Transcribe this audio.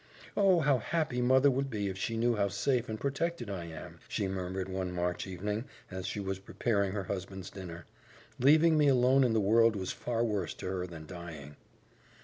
"Oh, how happy mother would be if she knew how safe and protected I am!" she murmured one March evening, as she was preparing her husband's dinner. "Leaving me alone in the world was far worse to her than dying."